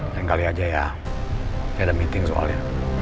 lain kali aja ya saya ada meeting soalnya